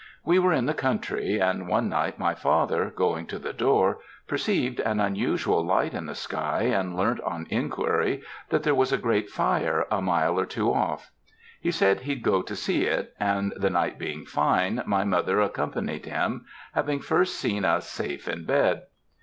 We were in the country, and one night my father, going to the door, perceived an unusual light in the sky, and learnt on inquiry that there was a great fire a mile or two off. He said he'd go to see it, and the night being fine, my mother accompanied him, having first seen us safe in bed.